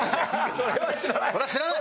「それは知らない」。